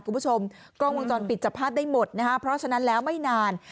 คุณผู้ชมกล้องวงจรปิดจับภาพได้หมดนะคะเพราะฉะนั้นแล้วไม่นาน